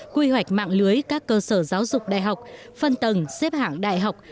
quy hoạch mạng lưới các cơ sở giáo dục đại học phân tầng xếp hạng đại học